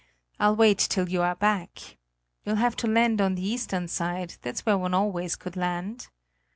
"I'll wait till you are back. You'll have to land on the eastern side; that's where one always could land."